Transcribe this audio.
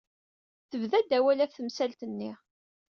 Tebda-d awal ɣef temsalt-nni.